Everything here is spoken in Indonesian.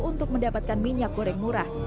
untuk mendapatkan minyak goreng murah